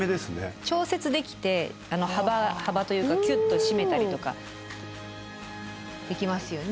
調節できて幅幅というかキュッと締めたりとかできますよね。